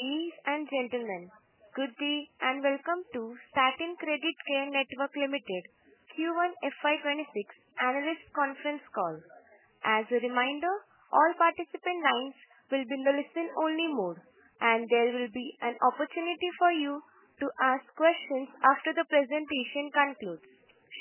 Ladies and gentlemen, good day and welcome to Satin Creditcare Network Limited Q1 FY 2026 Analyst Conference Call. As a reminder, all participant lines will be in the listen-only mode, and there will be an opportunity for you to ask questions after the presentation concludes.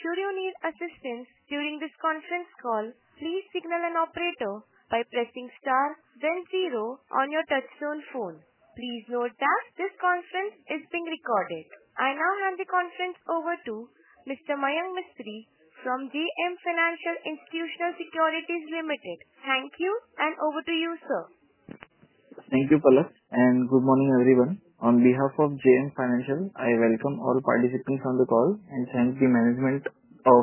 Should you need assistance during this conference call, please signal an operator by pressing star, then zero on your touch-tone phone. Please note that this conference is being recorded. I now hand the conference over to Mr. Mayank Mistry from JM Financial Institutional Securities Limited. Thank you and over to you, sir. Thank you, Palak, and good morning everyone. On behalf of JM Financial, I welcome all participants on the call and thank the management of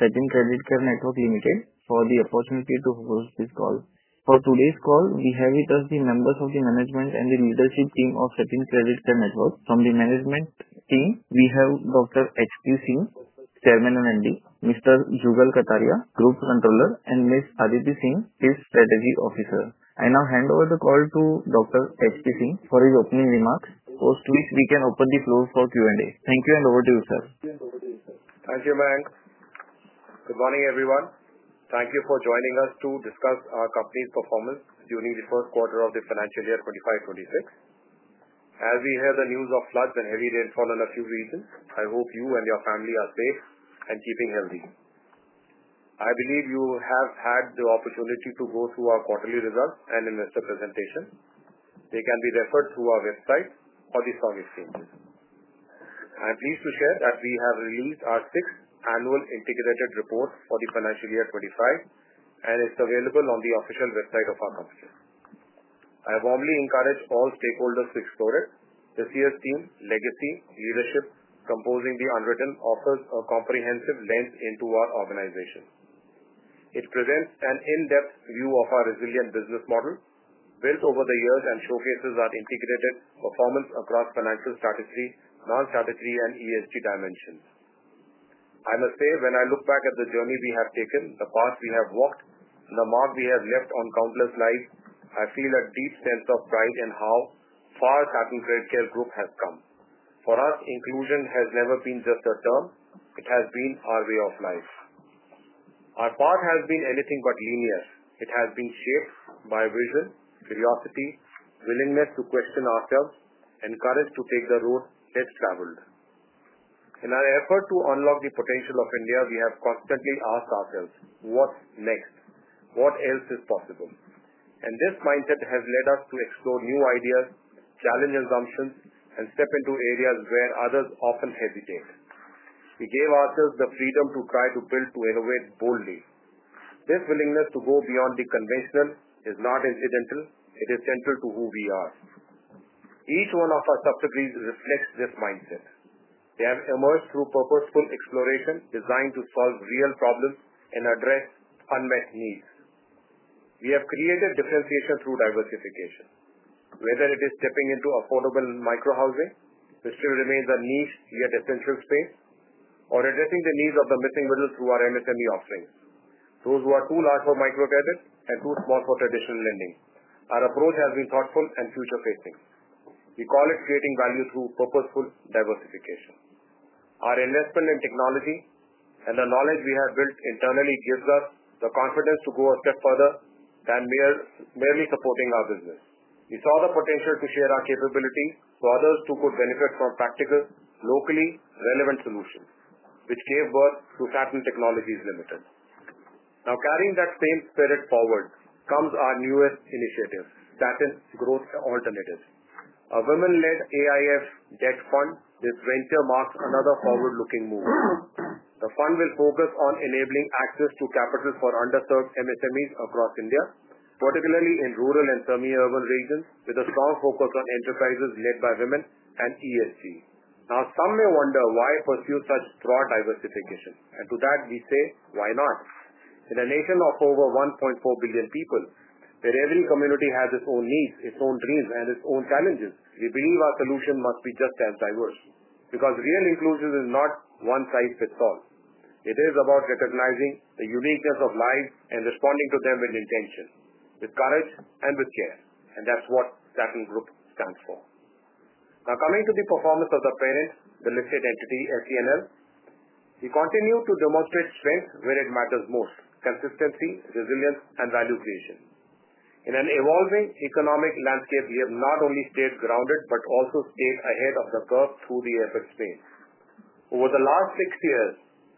Satin Creditcare Network Limited for the opportunity to host this call. For today's call, we have with us the members of the management and the leadership team of Satin Creditcare Network. From the management team, we have Dr. HP Singh, Chairman & Managing Director, Mr. Jugal Kataria, Group Controller, and Ms. Aditi Singh, Chief Strategy Officer. I now hand over the call to Dr. HP Singh for his opening remarks. After that, we can open the floor for Q&A. Thank you and over to you, sir. Thank you, Mayank. Good morning everyone. Thank you for joining us to discuss our company's performance during the First Quarter of the financial year 2025-2026. As we hear the news of floods and heavy rainfall in a few regions, I hope you and your family are safe and keeping healthy. I believe you have had the opportunity to go through our quarterly results and investor presentation. They can be referred to on our website or the service pages. I am pleased to share that we have released our sixth annual integrated report for the financial year 2025, and it's available on the official website of our offices. I warmly encourage all stakeholders to explore it. This year's theme, Legacy Leadership, composing the unwritten, offers a comprehensive lens into our organization. It presents an in-depth view of our resilient business model, built over the years, and showcases our integrated performance across financial strategy, non-strategy, and ESG dimensions. I must say, when I look back at the journey we have taken, the paths we have walked, and the mark we have left on countless lives, I feel a deep sense of pride in how far Satin Creditcare Group has come. For us, inclusion has never been just a term; it has been our way of life. Our path has been anything but linear. It has been shaped by vision, curiosity, willingness to question ourselves, and courage to take the road less traveled. In our effort to unlock the potential of India, we have constantly asked ourselves, "What's next? What else is possible?" This mindset has led us to explore new ideas, challenge assumptions, and step into areas where others often hesitate. We gave ourselves the freedom to try to build, to innovate boldly. This willingness to go beyond the conventional is not incidental; it is central to who we are. Each one of our subsegments reflects this mindset. They have emerged through purposeful exploration, designed to solve real problems and address unmet needs. We have created differentiation through diversification. Whether it is stepping into affordable microhousing, which still remains a niche yet essential space, or addressing the needs of the missing middle through our MSME offerings, those who are too large for micro-credit and too small for traditional lending, our approach has been thoughtful and future-facing. We call it creating value through purposeful diversification. Our investment in technology and the knowledge we have built internally gives us the confidence to go a step further than merely supporting our business. We saw the potential to share our capabilities so others too could benefit from practical, locally relevant solutions, which gave birth to Satin Technologies Limited. Now, carrying that same spirit forward comes our newest initiative, Satin’s Growth Alternatives. A women-led AIF Tech Fund, this venture marks another forward-looking move. The fund will focus on enabling access to capital for under-served MSMEs across India, particularly in rural and semi-urban regions, with a strong focus on enterprises led by women and ESG. Some may wonder why pursue such broad diversification, and to that we say, "Why not?" In a nation of over 1.4 billion people, where every community has its own needs, its own dreams, and its own challenges, we believe our solution must be just as diverse. Real inclusion is not one-size-fits-all. It is about recognizing the uniqueness of lives and responding to them with intention, with courage, and with care. That’s what Satin Group stands for. Now, coming to the performance of the parent-listed entity, SCNL, we continue to demonstrate strengths where it matters most: consistency, resilience, and value creation. In an evolving economic landscape, we have not only stayed grounded but also stayed ahead of the curve through the efforts trained. Over the last six years,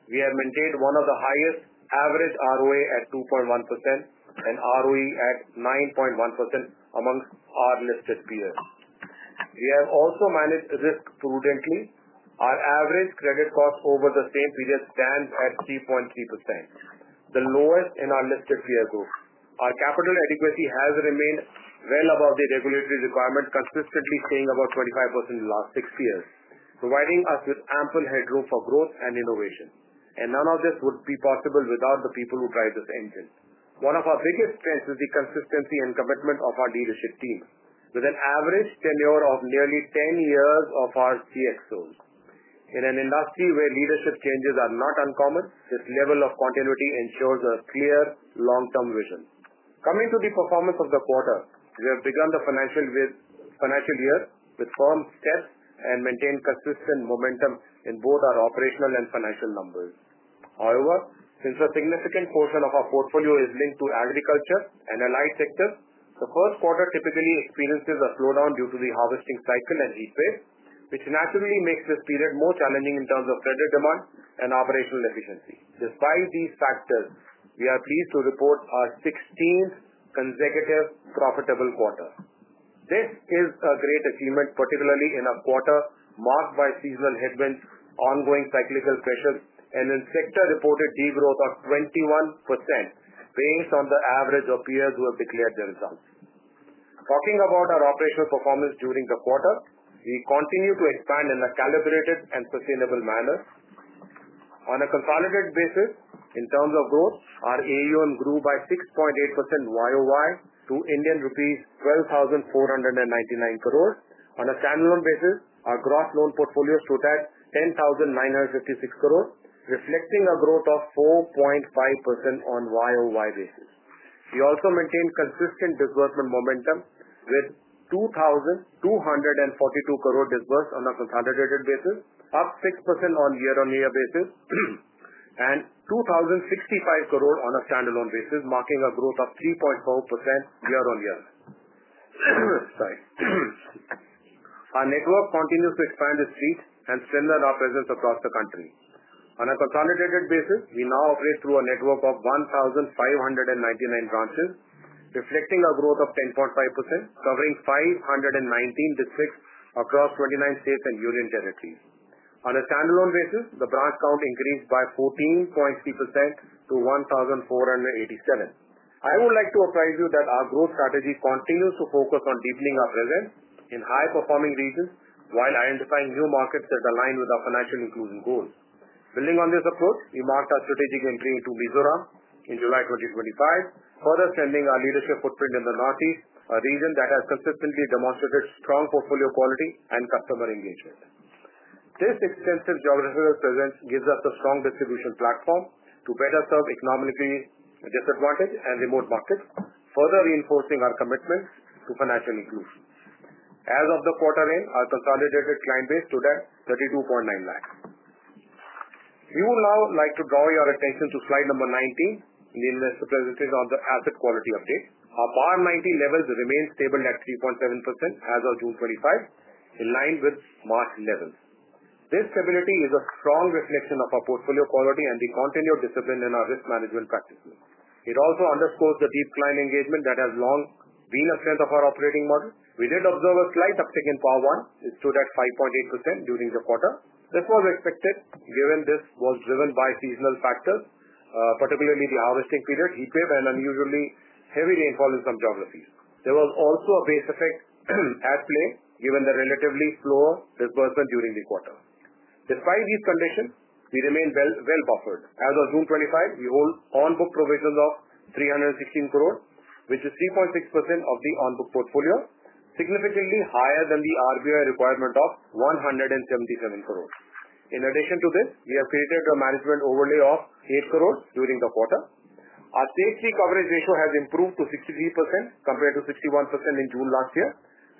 we have maintained one of the highest average ROA at 2.1% and ROE at 9.1% amongst our listed peers. We have also managed risk prudently. Our average credit cost over the same period stands at 3.3%, the lowest in our listed peer group. Our capital adequacy has remained well above the regulatory requirement, consistently staying about 25% in the last six years, providing us with ample headroom for growth and innovation. None of this would be possible without the people who drive this engine. One of our biggest strengths is the consistency and commitment of our leadership team, with an average tenure of nearly 10 years of our CXOs. In an industry where leadership changes are not uncommon, this level of continuity ensures a clear long-term vision. Coming to the performance of the quarter, we have begun the financial year with firm steps and maintained consistent momentum in both our operational and financial numbers. However, since a significant portion of our portfolio is linked to agriculture and allied sectors, the First Quarter typically experiences a slowdown due to the harvesting cycle and lease pays, which naturally makes this period more challenging in terms of credit demand and operational efficiency. Despite these factors, we are pleased to report our 16th consecutive profitable quarter. This is a great achievement, particularly in a quarter marked by seasonal headwinds, ongoing cyclical pressures, and in sector-reported degrowth of 21%, based on the average of peers who have declared their results. Talking about our operational performance during the quarter, we continue to expand in a calibrated and sustainable manner. On a consolidated basis, in terms of growth, our AUM grew by 6.8% YoY to Indian rupees 12,499 crore. On a standalone basis, our Gross Loan portfolio stood at 10,956 crore, reflecting a growth of 4.5% on YoY basis. We also maintained consistent disbursement momentum with 2,242 crore disbursed on a consolidated basis, up 6% on a year on year basis, and 2,065 crore on a standalone basis, marking a growth of 3.4% year on year. Our network continues to expand its reach and strengthen our presence across the country. On a consolidated basis, we now operate through a network of 1,599 branches, reflecting a growth of 10.5%, covering 519 districts across 29 states and union territories. On a standalone basis, the branch count increased by 14.3% to 1,487. I would like to apprise you that our growth strategy continues to focus on deepening our presence in high-performing regions while identifying new markets that align with our financial inclusion goals. Building on this approach, we marked our strategic entry into Mizoram in July 2025, further strengthening our leadership footprint in the Northeast, a region that has consistently demonstrated strong portfolio quality and customer engagement. This extensive geographical presence gives us a strong distribution platform to better serve economically disadvantaged and remote markets, further reinforcing our commitment to financial inclusion. As of the quarter end, our consolidated client base stood at 32.9 lakh. We would now like to draw your attention to slide number 19 in the investor presentation on the asset quality update. Our PAR 90 levels remain stable at 3.7% as of June 2025, in line with March levels. This stability is a strong reflection of our portfolio quality and the continued discipline in our risk management practices. It also underscores the deep client engagement that has long been a strength of our operating model. We did observe a slight uptick in PAR 1, which stood at 5.8% during the quarter. This was expected given this was driven by seasonal factors, particularly the harvesting period, heat wave, and unusually heavy rainfall in some geographies. There was also a base effect at play given the relatively slower disbursement during the quarter. Despite these conditions, we remain well buffered. As of June 2025, we hold on-book provisions of 316 crore, which is 3.6% of the on-book portfolio, significantly higher than the RBI requirement of 177 crore. In addition to this, we have created a management overlay of 8 crore during the quarter. Our provision coverage ratio has improved to 63% compared to 61% in June last year,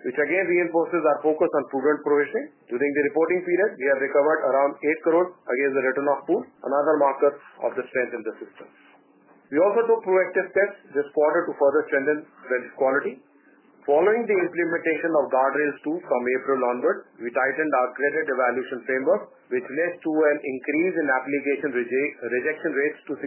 which again reinforces our focus on prudent provisioning. During the reporting period, we have recovered around 8 crore against the return of 2, another marker of the strength in the systems. We also took proactive steps this quarter to further strengthen risk quality. Following the implementation of guardrails 2 from April onward, we tightened our credit evaluation framework, which led to an increase in application rejection rates to 67%,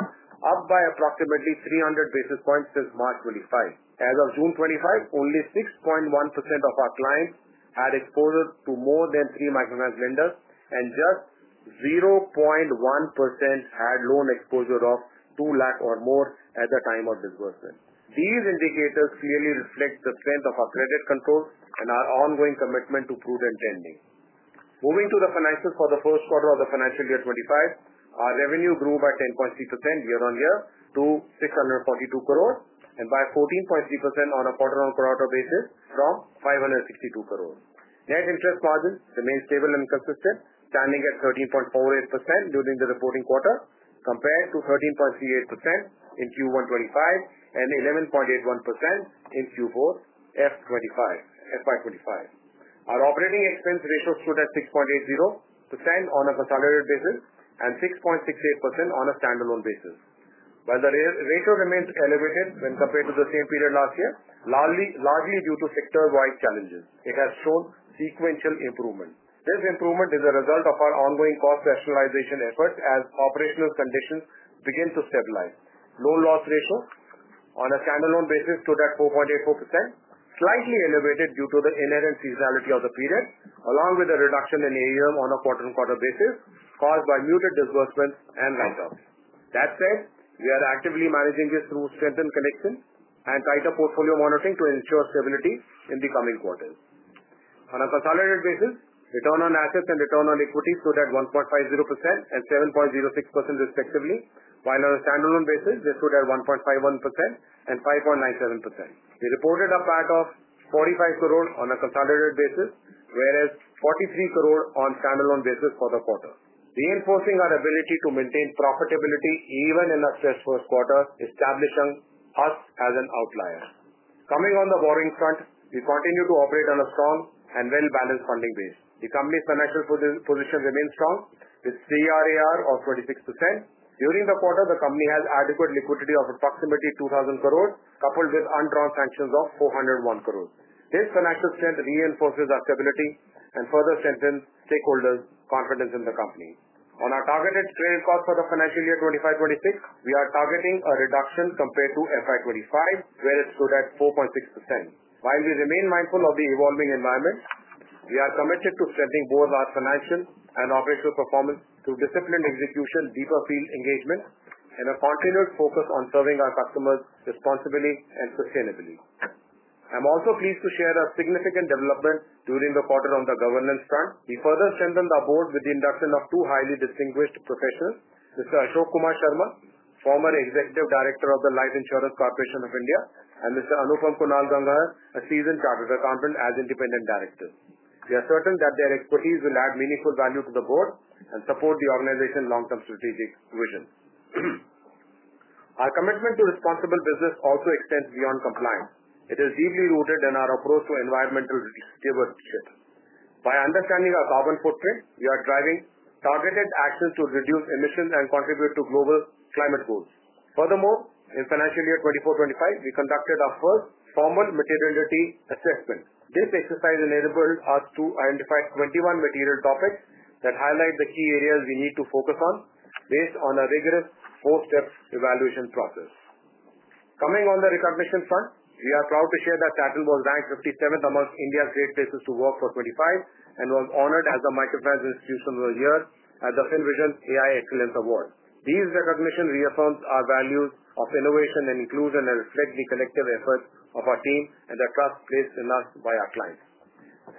up by approximately 300 basis points since March 2025. As of June 2025, only 6.1% of our clients had exposure to more than 3 microfinance lenders, and just 0.1% had loan exposure of 2 lakh or more at the time of disbursement. These indicators clearly reflect the strength of our credit control and our ongoing commitment to prudent lending. Moving to the financials for the First Quarter of the financial year 2025, our revenue grew by 10.3% year on year to 642 crore, and by 14.3% on a quarter on quarter basis from 562 crore. Net interest margins remain stable and consistent, standing at 13.48% during the reporting quarter, compared to 13.38% in Q1 2025 and 11.81% in Q4 FY 2025. Our operating expense ratio stood at 6.80% on a consolidated basis and 6.68% on a standalone basis. While the ratio remains elevated when compared to the same period last year, largely due to sector-wide challenges, it has shown sequential improvement. This improvement is a result of our ongoing cost rationalization efforts as operational conditions begin to stabilize. Loan loss ratio on a standalone basis stood at 4.84%, slightly elevated due to the inherent seasonality of the period, along with a reduction in AUM on a quarter on quarter basis caused by muted disbursements and write-offs. That said, we are actively managing this through strengthened connections and tighter portfolio monitoring to ensure stability in the coming quarters. On a consolidated basis, return on assets and return on equity stood at 1.50% and 7.06% respectively, while on a standalone basis, they stood at 1.51% and 5.97%. We reported a PAT of 45 crore on a consolidated basis, whereas 43 crore on a standalone basis for the quarter, reinforcing our ability to maintain profitability even in a stressful quarter, establishing us as an outlier. Coming on the borrowing front, we continue to operate on a strong and well-balanced funding base. The company's financial position remains strong, with CRAR of 26%. During the quarter, the company has adequate liquidity of approximately 2,000 crore, coupled with undrawn sanctions of 401 crore. This financial strength reinforces our stability and further strengthens stakeholders' confidence in the company. On our targeted sales cost for the financial year 2025-2026, we are targeting a reduction compared to FY 2025, where it stood at 4.6%. While we remain mindful of the evolving environment, we are committed to strengthening both our financial and operational performance through disciplined execution, deeper field engagement, and a continued focus on serving our customers responsibly and sustainably. I'm also pleased to share a significant development during the quarter on the governance front. We further strengthened our board with the induction of two highly distinguished professionals, Mr. Ashok Kumar Sharma, former Executive Director of the Life Insurance Corporation of India, and Mr. Anupam Kunal Gangaher, a seasoned Chartered Accountant as Independent Director. We are certain that their expertise will add meaningful value to the board and support the organization's long-term strategic vision. Our commitment to responsible business also extends beyond compliance. It is deeply rooted in our approach to environmental stewardship. By understanding our carbon footprint, we are driving targeted actions to reduce emissions and contribute to global climate goals. Furthermore, in financial year 2024-2025, we conducted our first formal materiality assessment. This exercise enabled us to identify 21 material topics that highlight the key areas we need to focus on, based on a rigorous four-step evaluation process. Coming on the recognition front, we are proud to share that Satin was ranked 57th amongst India's great places to work for 2025 and was honored as the Microfinance Institution of the Year at the FinVision AI Excellence Award. These recognitions reaffirm our values of innovation and inclusion and reflect the collective efforts of our team and the trust placed in us by our clients.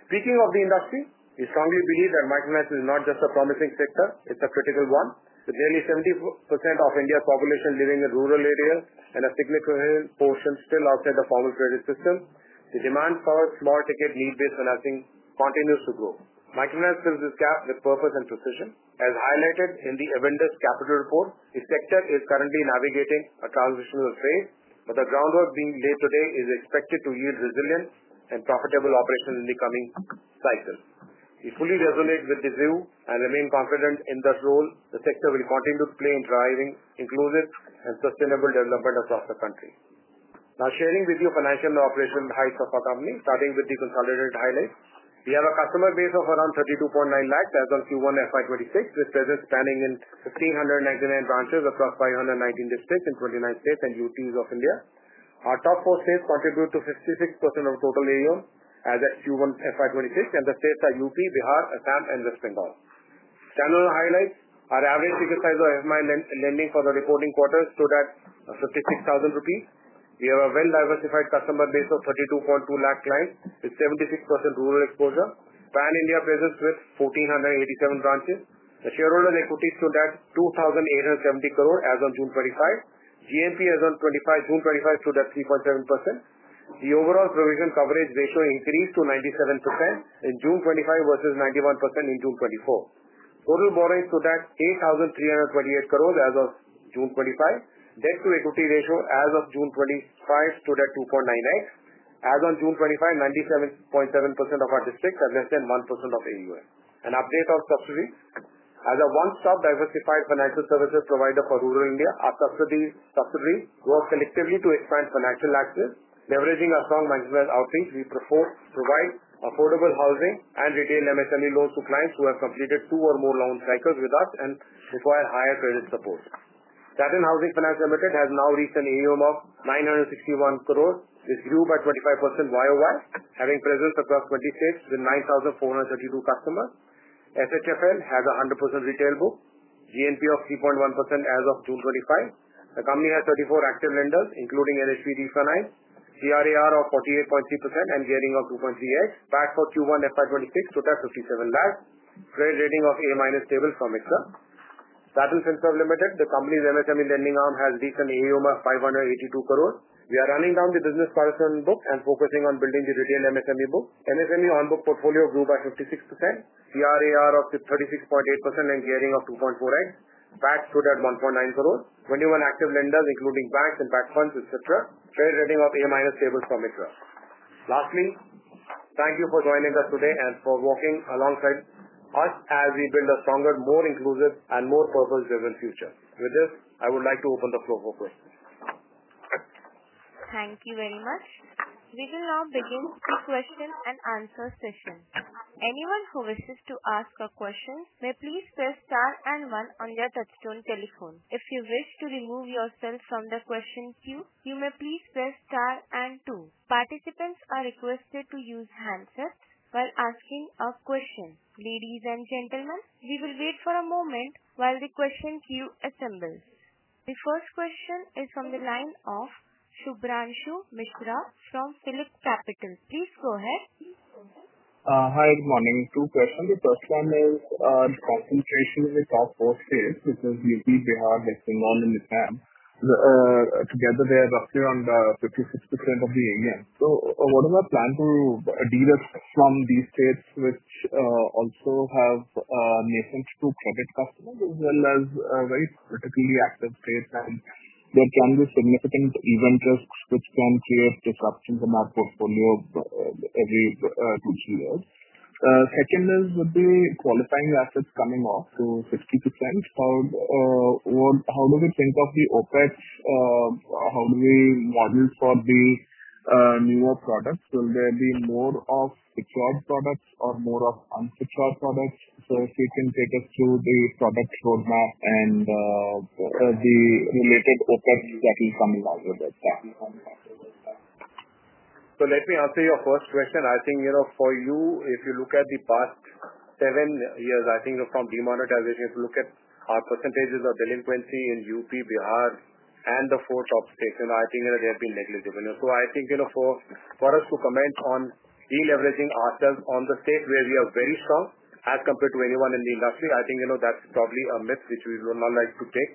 Speaking of the industry, we strongly believe that microfinance is not just a promising sector, it's a critical one. With nearly 70% of India's population living in rural areas and a significant portion still outside the formal credit system, the demand for small-ticket lead-based financing continues to grow. Microfinance fills this gap with purpose and precision. As highlighted in the Avendus Capital report, the sector is currently navigating a transitional phase, but the groundwork being laid today is expected to yield resilient and profitable operations in the coming cycles. We fully resonate with this view and remain confident in this role; the sector will continue to play in driving inclusive and sustainable development across the country. Now, sharing with you financial and operational highlights of our company, starting with the consolidated highlights. We have a customer base of around 3.29 million as of Q1 FY 2026, with presence spanning in 1,599 branches across 519 districts in 29 states and UTs of India. Our top four states contribute to 56% of total AUM as at Q1 FY 2026, and the states are UP, Bihar, Assam, and West Bengal. Standalone highlights: our average ticket size of microfinance lending for the reporting quarter stood at 56,000 rupees. We have a well-diversified customer base of 3.22 million clients, with 76% rural exposure. Pan-India presence with 1,487 branches. The shareholders' equity stood at 2,870 crore as of June 2025. Gross margin percentage as of June 2025 stood at 3.7%. The overall provision coverage ratio increased to 97% in June 2025 versus 91% in June 2024. Total borrowing stood at 8,328 crore as of June 2025. Debt to equity ratio as of June 2025 stood at 2.9X. As of June 2025, 97.7% of our districts and less than 1% of AUM. An update on subsidiaries. As a one-stop diversified financial services provider for rural India, our subsidiaries work selectively to expand financial access, leveraging a strong management outreach. We provide affordable housing and retail MSME loans to clients who have completed two or more loan cycles with us and require higher credit support. Satin Housing Finance Limited has now reached an AUM of 961 crore. It grew by 25% YoY, having presence across 20 states with 9,432 customers. SHFL has a 100% retail book, GMP of 3.1% as of June 2025. The company has 34 active lenders, including NHB Refinance, CRAR of 48.3%, and gearing of 2.3X. PAT for Q1 FY 2026 stood at 57 lakh. Credit rating of A- stable for mix. Satin Finserv Limited, the company's MSME lending arm, has reached an AUM of INR 582 crore. We are running down the business personal book and focusing on building the retail MSME book. MSME on-book portfolio grew by 56%, CRAR of 36.8%, and gearing of 2.4X. PAT stood at 1.9 crore. 21 active lenders, including banks and PE funds, etc. Credit rating of A- stable for mix. Lastly, thank you for joining us today and for walking alongside us as we build a stronger, more inclusive, and more purpose-driven future. With this, I would like to open the floor for questions. Thank you very much. We will now begin the question and answer session. Anyone who wishes to ask a question may please press star and one on your touch-tone telephone. If you wish to remove yourself from the question queue, you may please press star and two. Participants are requested to use handsets while asking a question. Ladies and gentlemen, we will wait for a moment while the question queue assembles. The first question is from the line of Shubhranshu Mishra from Philip Capital. Please go ahead. Hi, good morning. Two questions. The first one is, the concentration is in South Coast states, which is UP, Bihar, West Bengal, and Assam. Together, they are based around 56% of the AUM. What is our plan to de-risk from these states, which also have a message to public customers as well as rates? Particularly asset states, and we're trying to significantly prevent risk from clear disruption from our portfolio every two years. Second is the qualifying assets coming up to 50%. How do we think of the OpEx? How do we model for the newer products? Will there be more of PCOR products or more of un-PCOR products? If you can take us through the product roadmap and what are the related OpEx that we're coming up with? Let me answer your first question. If you look at the past seven years, from demonetization, if you look at our percentages of delinquency in UP, Bihar, and the four top states, it has been negligible. For us to comment on re-leveraging ourselves on the state where we are very strong as compared to anyone in the industry, that's probably a myth which we would not like to take.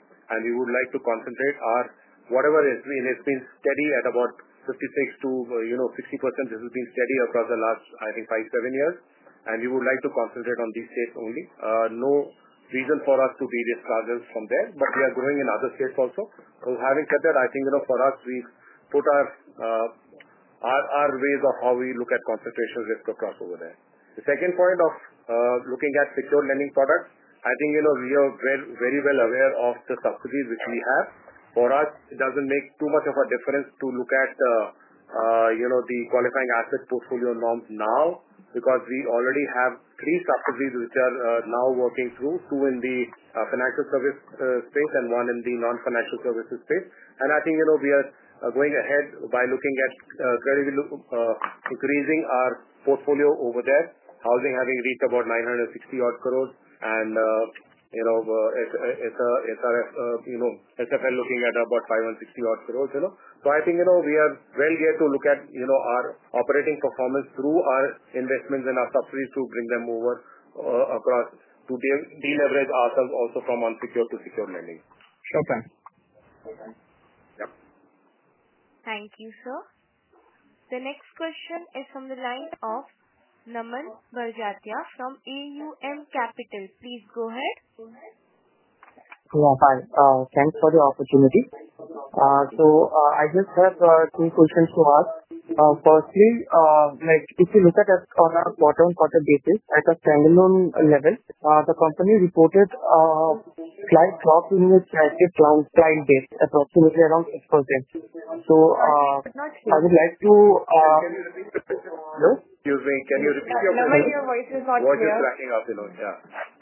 We would like to concentrate on whatever has been steady at about 56% to 50%. This has been steady across the last five, seven years. We would like to concentrate on these states only. There is no reason for us to be disgruntled from there, but we are growing in other states also. Having said that, for us, we've put our ways of how we look at concentration risk across over there. The second point of looking at secured lending products, we are very well aware of the subsidiaries which we have. For us, it doesn't make too much of a difference to look at the qualifying assets portfolio norms now because we already have three subsidiaries which are now working through, two in the financial service space and one in the non-financial services space. We are going ahead by looking at credibility, increasing our portfolio over there. Housing having reached about 960 crore. SFL looking at about 560 crore. We are well geared to look at our operating performance through our investments and our subsidiaries to bring them over, across to de-leverage ourselves also from un-PCOR to PCOR lending. Okay. Thank you, sir. The next question is from the line of Naman Barjatya from Aum Capital. Please go ahead. Hi, thanks for the opportunity. I just have a few questions to ask. Firstly, if you look at us on a bottom-quarter basis, at a standalone level, the company reported a slight drop in its assets from time-based approximately around 6%. I would like to go ahead. Excuse me, can you repeat? The volume of your voice is not clear. The volume is cracking up.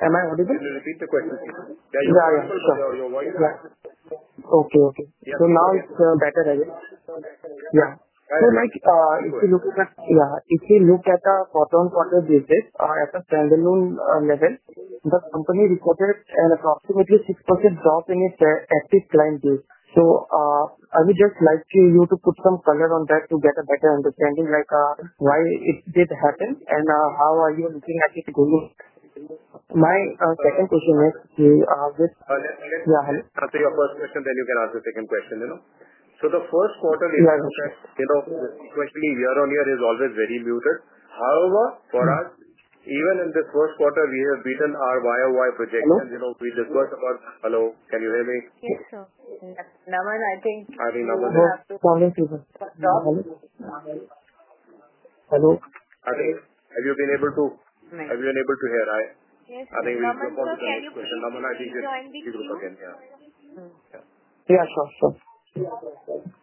Am I audible? Can you repeat the question, please? Yeah, yeah. Your voice? Okay, okay. Now it's better, right? If you look at, yeah, if you look at a bottom-quarter basis, at a standalone level, the company reported an approximately 6% drop in its active client base. I would just like you to put some color on that to get a better understanding, like, why did it happen and how are you looking at it going? My second question is, yeah, I'll tell you a first question, then you can ask the second question, you know. The First Quarter we had, you know, the equation year on year is always very muted. However, for us, even in the First Quarter, we have beaten our YoY projections. You know, we discussed about, hello, can you hear me? Yes, sir. I think. I think Mayank. Hello. Have you been able to hear? Yes, yes. I think we need to support the second question. I think she will continue. Yeah, of course, sir.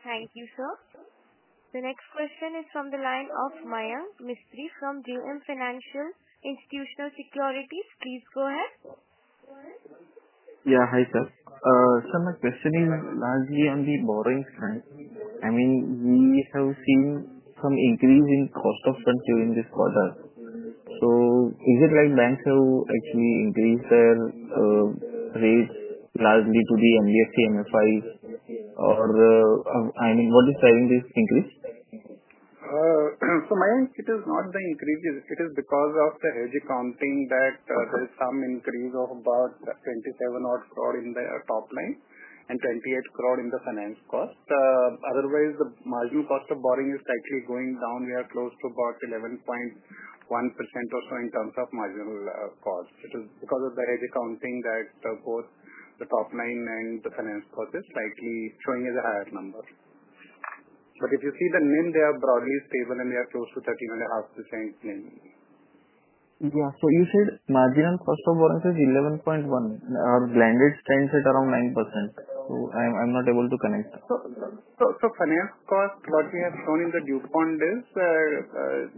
Thank you, sir. The next question is from the line of Mayank Mistry from JM Financial Institutional Securities. Please go ahead. Yeah. Hi, sir. My question is largely on the borrowing side. I mean, we have seen some increase in cost of funds during this quarter. Is it like banks have actually increased their rates largely to the MFIs, or what is driving this increase? Mayank, it is not the increase. It is because of the hedge accounting that there is some increase of about 27 crore in the top line and 20 crore in the finance cost. Otherwise, the marginal cost of borrowing is actually going down. We are close to about 11.1% or so in terms of marginal cost. It is because of the hedge accounting that both the top line and the finance cost is slightly showing as a higher number. If you see the NIM, they are broadly stable, and they are close to 13.5%. Last quarter, you said marginal cost of borrowing is 11.1%. Our blended strength is around 9%. I'm not able to connect. Finance cost, what we have shown in the viewpoint is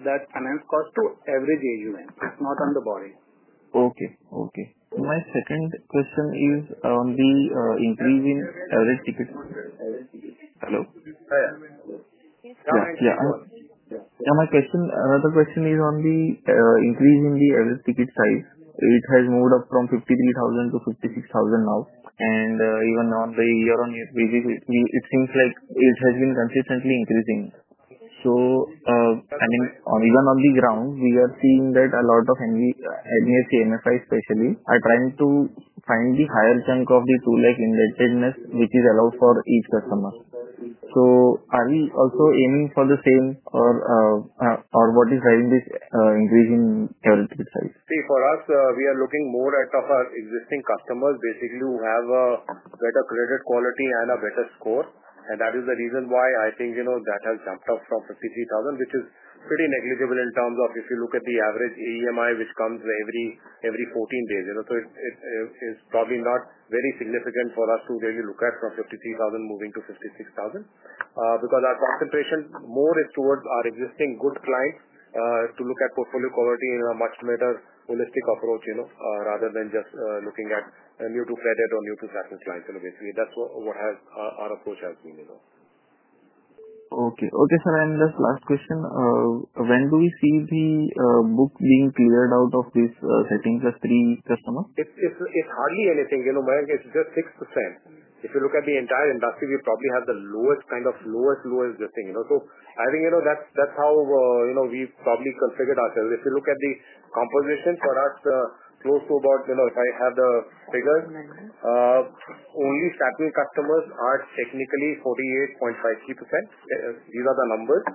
that finance cost to average AUM. It's not on the borrowing. Okay. My second question is on the increase in average ticket. Hello? Yeah. My question, another question is on the increase in the average ticket size. It has moved up from 53,000 to 56,000 now. Even on the year on year, it seems like it has been consistently increasing. I mean, even on the ground, we are seeing that a lot of MFI, especially, are trying to find the higher chunk of the two lakh indebtedness, which is allowed for each customer. Are you also aiming for the same, or what is driving this increase in credit size? See, for us, we are looking more at our existing customers, basically, who have a better credit quality and a better score. That is the reason why I think that has jumped up from 53,000, which is pretty negligible in terms of if you look at the average EMI, which comes every 14 days. It's probably not very significant for us to really look at from 53,000 moving to 56,000, because our concentration more is towards our existing good clients to look at portfolio quality in a much better holistic approach, rather than just looking at a new-to-feted or new-to-facet license. Basically, that's what our approach has been. Okay, sir. This last question, when do we see the book being cleared out of this? I think there's three customers. It's hardly anything. Mayank, it's just 6%. If you look at the entire industry, we probably have the lowest kind of lowest, lowest listing, you know. I think that's how we've probably configured ourselves. If you look at the composition for us, close to about, you know, if I have the figures, only Satin customers are technically 48.53%. These are the numbers.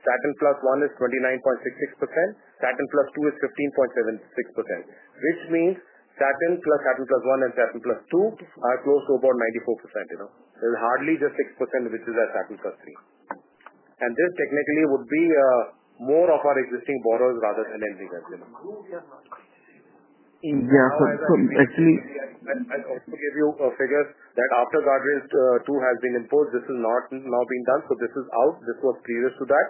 Satin plus one is 29.66%. Satin plus two is 15.76%. This means Satin plus, Satin plus one, and Satin plus two are close to about 94%. There's hardly just 6%, which is at Satin plus three. This technically would be more of our existing borrowers rather than end users. Who are we not going to see? Yeah. I'll give you a figure that after Guardrails 2 has been imposed, this is not now being done. This is out. This was previous to that.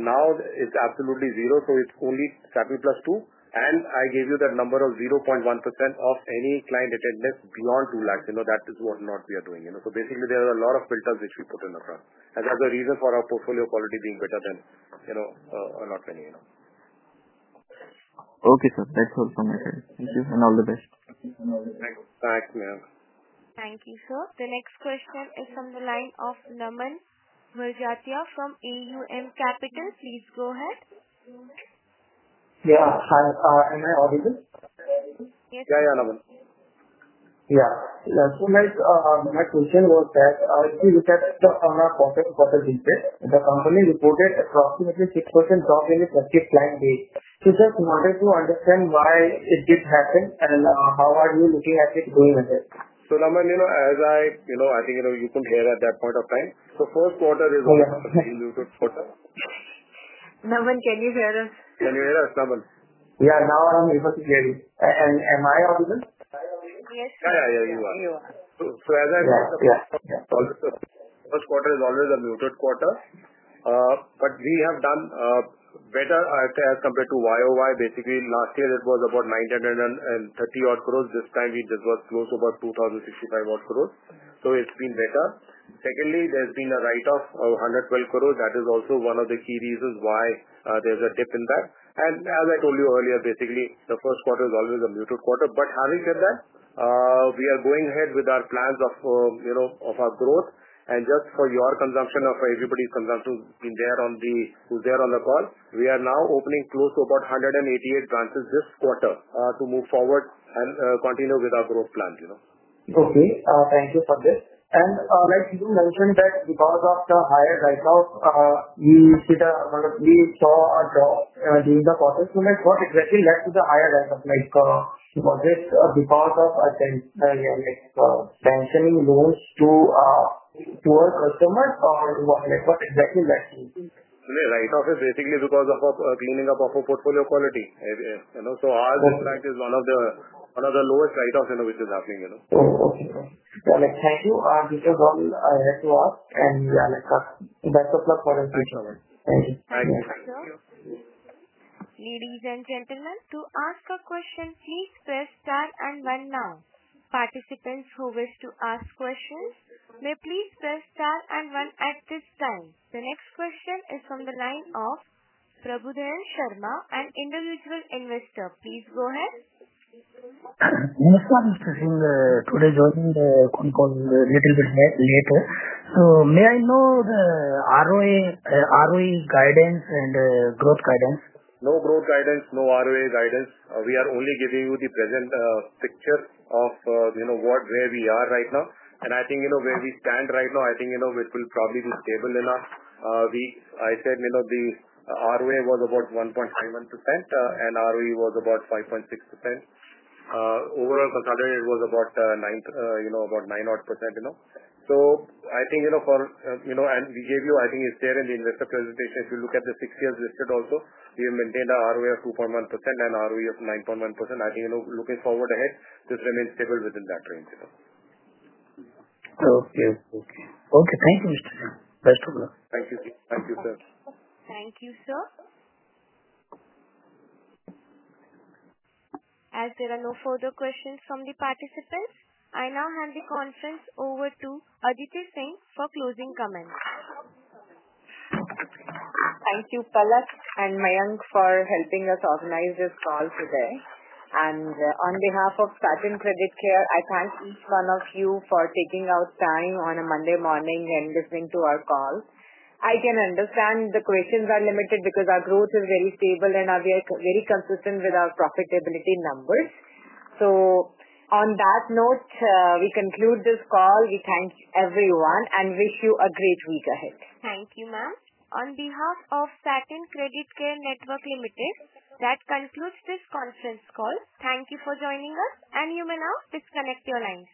Now it's absolutely zero. It's only Satin plus two. I gave you that number of 0.1% of any client attendance beyond 200,000. That is what not we are doing. Basically, there are a lot of filters which we put in the crowd, and that's the reason for our portfolio quality being better than a lot many. Okay, sir. That's all from my side. Thank you and all the best. Thank you. Thank you, sir. The next question is from the line of Naman Barjatya from Aum Capital. Please go ahead. Hi, am I audible? Yes. Yeah, that's why my question was that if you look at the on our quarter to quarter basis, the company reported approximately 6% drop in its active client base. Just wanted to understand why it did happen and how are you looking at it going ahead? I think, you know, you could hear at that point of time. First Quarter, they go in a muted quarter. Naman, can you hear us? Can you hear us, Naman? Yeah, now I'm able to hear you. Am I audible? Yes. As I said, the First Quarter is always a muted quarter, but we have done better compared to YoY. Basically, last year it was about 930 crore. This time we just got close to about 2,065 crore, so it's been better. Secondly, there's been a write-off of 112 crore. That is also one of the key reasons why there's a dip in that. As I told you earlier, the First Quarter is always a muted quarter. Having said that, we are going ahead with our plans of growth. Just for your consumption or for everybody's consumption who's been there on the call, we are now opening close to about 188 branches this quarter to move forward and continue with our growth plan. Thank you for this. Like you mentioned, because of the higher write-off, we saw a drop during the quarter. What exactly led to the higher write-off? Was it because of the power of attendance, like pensioning loans to our customers, or what exactly led to it? Write-off is basically because of a cleaning up of our portfolio quality. Our quarter is one of the lowest write-offs which is happening. Oh, okay. All right. Thank you. This is all I had to ask, and we are back to the clock for the questions. Thank you. Ladies and gentlemen, to ask a question, please press star and one now. Participants who wish to ask questions may please press star and one at this time. The next question is from the line of Prabhu Dayal Sharma, an individual investor. Please go ahead. I'm interested in joining the call a little bit later. May I know the ROE guidance and growth guidance? No growth guidance, no ROA guidance. We are only giving you the present picture of what, you know, where we are right now. I think, you know, where we stand right now, I think it will probably be stable enough. I said, you know, the ROA was about 1.51% and ROE was about 5.6%. Overall consolidated was about 9-odd %. I think, you know, for, you know, and we gave you, I think, a share in the investor presentation. If you look at the six years listed also, we maintained an ROA of 2.1% and ROE of 9.1%. I think, you know, looking forward ahead, this remains stable within that range. Okay. Thank you, Mr. Singh. Thank you. Thank you, sir. Thank you, sir. As there are no further questions from the participants, I now hand the conference over to Aditi Singh for closing comments. Thank you, Palak and Mayank, for helping us organize this call today. On behalf of Satin Creditcare, I thank each one of you for taking out time on a Monday morning and listening to our call. I can understand the questions are limited because our growth is very stable and we are very consistent with our profitability numbers. On that note, we conclude this call. We thank everyone and wish you a great week ahead. Thank you, ma'am. On behalf of Satin Creditcare Network Limited, that concludes this conference call. Thank you for joining us, and you may now disconnect your lines.